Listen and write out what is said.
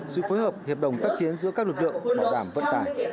sự phối hợp hiệp đồng tác chiến giữa các lực lượng bảo đảm vận tải